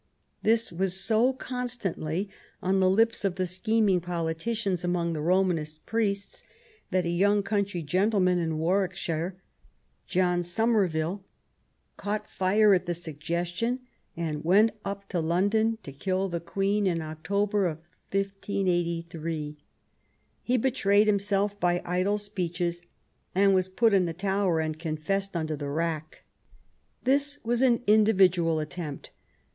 This was so constantly on the lips of the scheming politicians among the Romanist priests that a young THE CRISIS, 2og countty gentleman in Warwickshire, John Somer ville, caught fire at the suggestion and went up to London to kill the Queen in October, 1583. He betrayed himself by idle speeches, was put in the Tower and confessed under the rack. This was an individual attempt.